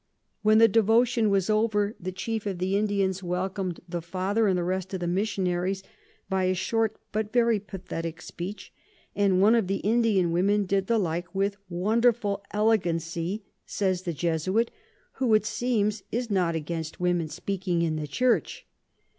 When the Devotion was over, the chief of the Indians welcom'd the Father and the rest of the Missionaries, by a short but very pathetick Speech; and one of the Indian Women did the like with wonderful Elegancy, says the Jesuit, who it seems is not against Women speaking in the Church.